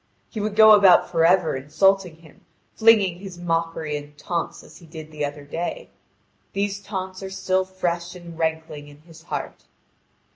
He would go about for ever insulting him, flinging his mockery and taunts as he did the other day. These taunts are still fresh and rankling in his heart.